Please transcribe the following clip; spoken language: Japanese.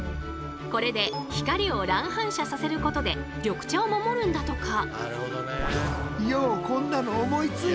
これで光を乱反射させることで緑茶を守るんだとか。